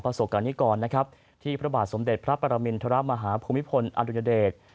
พระศูกรกรนี้ก่อนนะครับที่พระบาทสมเด็จพระประมิลธรรมภพมิพลอรุณเดชน์